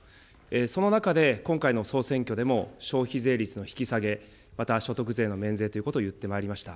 その中で今回の総選挙でも、消費税率の引き下げ、また所得税の免税ということを言ってまいりました。